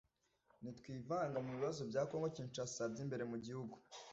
“Ntitwivanga mu bibazo bya Congo Kinshasa by’imbere mu gihugu